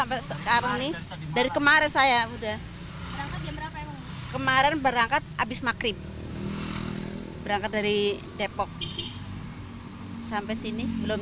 ini dari kemarin saya udah kemarin berangkat habis makrim berangkat dari depok sampai sini belum